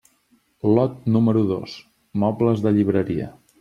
Lot número dos: mobles de llibreria.